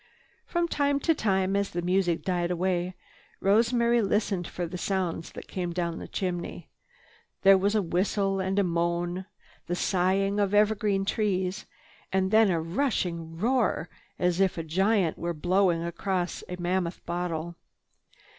From time to time as the music died away, Rosemary listened for the sounds that came down the chimney. There was a whistle and a moan, the sighing of evergreen trees and then a rushing roar as if a giant were blowing across a mammoth bottle.